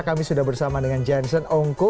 kami sudah bersama dengan janson ongko